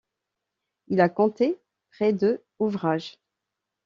Il a compté près de ouvrages.